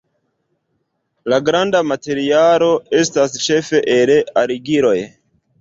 La grunda materialo estas ĉefe el argiloj.